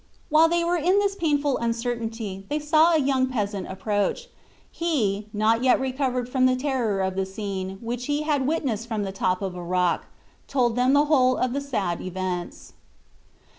While they were in this painful uncertainty they saw a young peasant approach. He, not yet recovered from the terror of the scene, which he had witnessed from the top of a rock, told them the whole of the sad events.